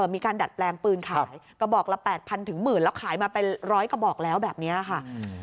มีการดัดแปลงปืนขายกระบอกละ๘๐๐๐แล้วขายมาเป็นร้อยกระบอกแล้วแบบนี้ค่ะ